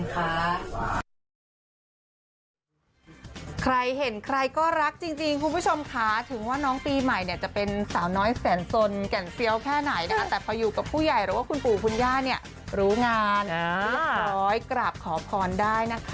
ใครเห็นใครก็รักนะสุขภาพแข็งแรงนะคะ